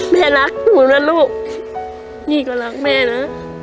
แม่รักหนูนะลูกนี่ก็รักแม่นะ